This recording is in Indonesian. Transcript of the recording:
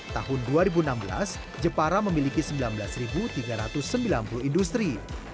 tahun dua ribu enam belas jepara memiliki sembilan belas tiga ratus sembilan puluh industri